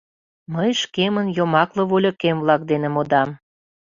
— Мый шкемын йомакле вольыкем-влак дене модам.